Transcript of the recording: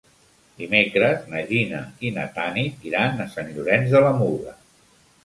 Dimecres na Gina i na Tanit iran a Sant Llorenç de la Muga.